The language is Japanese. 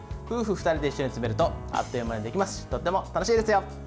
夫婦２人で一緒に詰めるとあっという間にできますしとっても楽しいですよ。